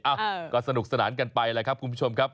เอ้าก็สนุกสนานกันไปแหละครับคุณผู้ชมครับ